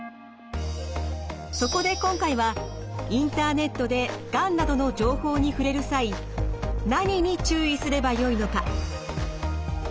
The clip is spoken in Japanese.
そこで今回はインターネットでがんなどの情報に触れる際何に注意すればよいのか。